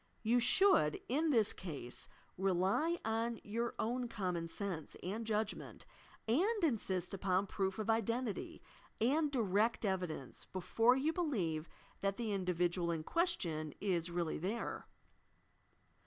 You should, in this case, rely on your own common sense and judgment, and insist upon proof of identity and direct evidence before you believe that the individual in question is really there.